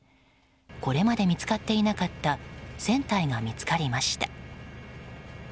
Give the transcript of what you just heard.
これまで見つかっていなかった船体が見つかりました。